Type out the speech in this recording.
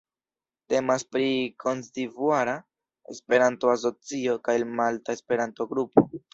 Temas pri Kotdivuara Esperanto-Asocio kaj Malta Esperanto-Grupo.